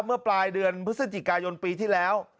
เมื่อปลายเดือนพฤศจิกายนปีที่แล้ว